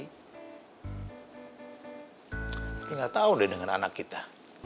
ini nggak tahu deh dengan anak kita